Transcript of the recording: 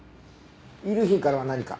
遺留品からは何か？